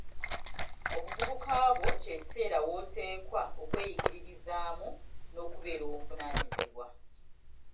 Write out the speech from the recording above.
Obuvubuka bwo kye kiseera woteekwa okweyigiririzaamu n'okubeera ow'obuvunaanyizibwa.